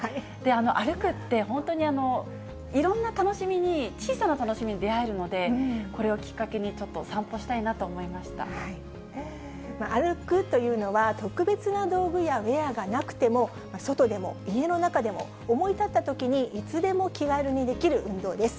歩くって本当にいろんな楽しみに、小さな楽しみに出会えるので、これをきっかけにちょっと散歩し歩くというのは、特別な道具やウェアがなくても、外でも家の中でも、思い立ったときにいつでも気軽にできる運動です。